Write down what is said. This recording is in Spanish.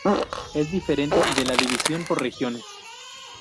Es diferente de la división por regiones.